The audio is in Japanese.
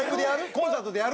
コンサートでやる？